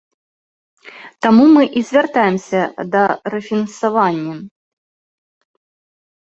Таму мы і звяртаемся да рэфінансавання.